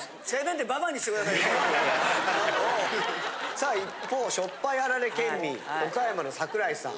さあ一方塩っぱいあられ県民岡山の桜井さん。